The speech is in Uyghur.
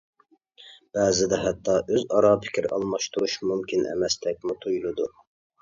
بەزىدە ھەتتا ئۆزئارا پىكىر ئالماشتۇرۇش مۇمكىن ئەمەستەكمۇ تۇيۇلىدۇ.